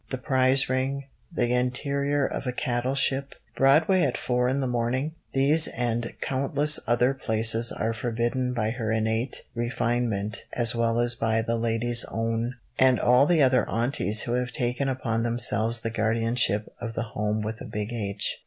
The prize ring, the interior of a cattle ship, Broadway at four in the morning these and countless other places are forbidden by her innate refinement as well as by the Ladies' Own, and all the other aunties who have taken upon themselves the guardianship of the Home with a big H.